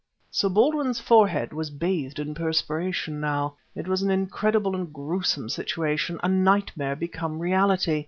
Sir Baldwin's forehead was bathed in perspiration now. It was an incredible and a gruesome situation, a nightmare become reality.